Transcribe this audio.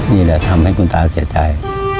นี่แหละทำให้คุณตาเสียใจ